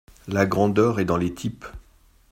La grandeur est dans les types.